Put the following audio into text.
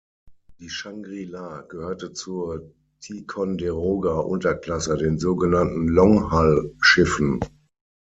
Die "Shangri-La" gehörte zur Ticonderoga-Unterklasse, den so genannten „long hull“-Schiffen.